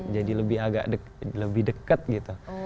jadi lebih deket gitu